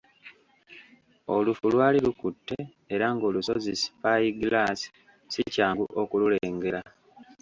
Olufu lwali lukutte era ng'olusozi Spy-glass si kyangu okululengera.